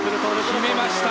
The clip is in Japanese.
決めました！